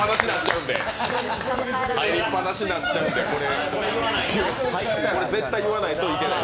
入りっ放しになっちゃうんで、これはこれ絶対言わないといけない。